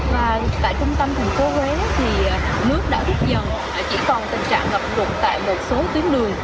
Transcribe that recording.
và tại trung tâm thành phố huế thì nước đã rút dần chỉ còn tình trạng ngập rụt tại một số tuyến đường